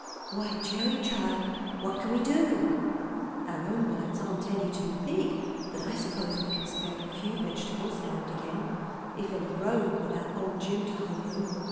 "Why, Gerry, child, what can we do? Our own bites aren't any too big; but I suppose we can spare a few vegetables now and again, if any grow without old Jim to hoe them.